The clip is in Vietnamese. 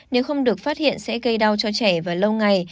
nếu không được phát hiện sẽ gây đau cho trẻ và lâu ngày